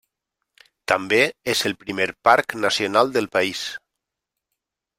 També és el primer parc nacional del país.